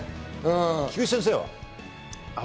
菊地先生は？